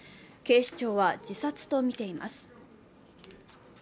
警視庁は自殺とみています。